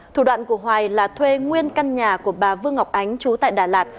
thủ đoạn của hoài là thuê nguyên căn nhà của bà vương ngọc ánh chú tại đà lạt